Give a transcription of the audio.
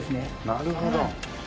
なるほど。